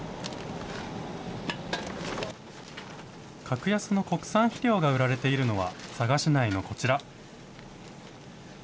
格安の国産肥料が売られているのは、佐賀市内のこちら。